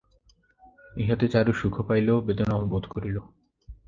ইহাতে চারু সুখও পাইল বেদনাও বোধ করিল।